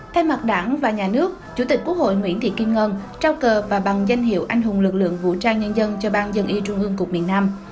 thay mặt đảng và nhà nước chủ tịch quốc hội nguyễn thị kim ngân trao cờ và bằng danh hiệu anh hùng lực lượng vũ trang nhân dân cho ban dân y trung ương cục miền nam